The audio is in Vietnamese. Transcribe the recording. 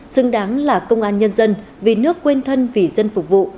xứng đáng là công an nhân dân vì nước quên thân vì dân phục vụ